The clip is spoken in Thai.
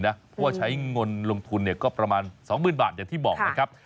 เพราะว่าใช้งนลงทุนเนี่ยก็ประมาณสองหมื่นบาทอย่างที่บอกนะครับ